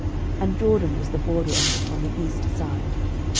06:018:020 And Jordan was the border of it on the east side.